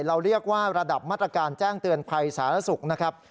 เราเรียกว่าระดับมาตรการแจ้งเตือนภัยสาธารณสุขนะครับ